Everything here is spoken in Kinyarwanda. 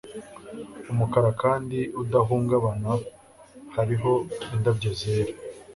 Umukara kandi udahungabana hariho indabyo zera